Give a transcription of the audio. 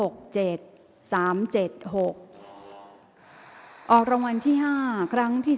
ข่าวแถวรับทีวีรายงาน